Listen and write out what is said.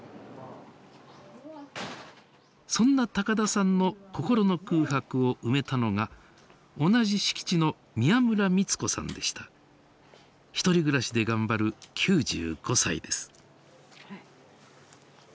そんな高田さんの心の空白を埋めたのが同じ敷地の１人暮らしで頑張る９５歳です。